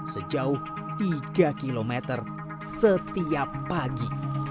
sejauh tiga km setiap pagi